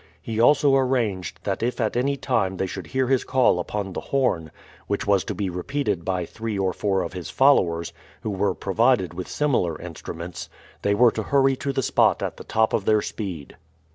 He also arranged that if at any time they should hear his call upon the horn, which was to be repeated by three or four of his followers, who were provided with similar instruments, they were to hurry to the spot at the top of their speed.